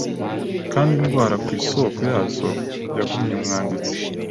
Kandi indwara ku isoko yazo Yavumye Umwanditsi